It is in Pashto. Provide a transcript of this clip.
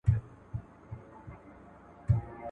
د کار قوې کمیت او کیفیت دواړه اړین دي.